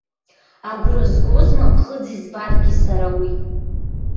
Агәра згозма ԥхыӡ избаргьы сара уи!